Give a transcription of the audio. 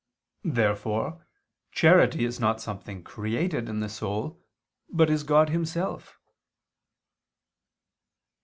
Therefore charity is not something created in the soul, but is God Himself.